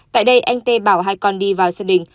tại đây anh t bảo hai con đi vào sân đình